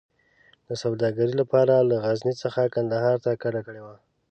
د سوداګرۍ لپاره له غزني څخه کندهار ته کډه کړې وه.